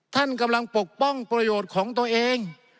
ท่านกำลังปกป้องประโยชน์ของตัวเอง